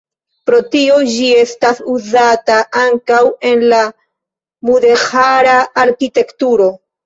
Pro tio, ĝi estas uzata ankaŭ en la mudeĥara arkitekturo.